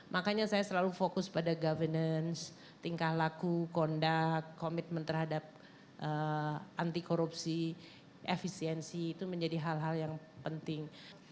makanya saya selalu fokus pada governance tingkah laku conduct commitment terhadap anti korupsi efisiensi itu menjadi hal hal yang penting